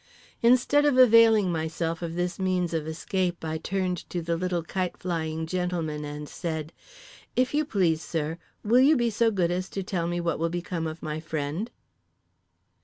Instead of availing myself of this means of escape I turned to the little kite flying gentleman and said: "If you please, sir, will you be so good as to tell me what will become of my friend?"